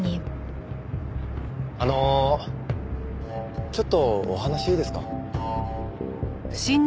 あのちょっとお話いいですか？